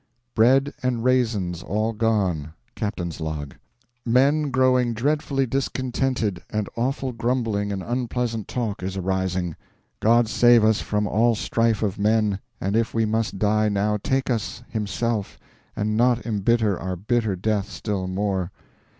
Bread and raisins all gone. Captain's Log. Men growing dreadfully discontented, and awful grumbling and unpleasant talk is arising. God save us from all strife of men; and if we must die now, take us himself, and not embitter our bitter death still more.